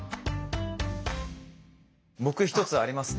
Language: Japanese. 僕１つありますね。